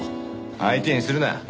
相手にするな。